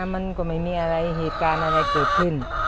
มันก็ไม่มีอะไรเหตุการณ์อะไรเกิดขึ้น